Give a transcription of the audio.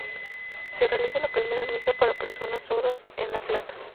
Se realiza la primera misa para personas sordas en La Plata.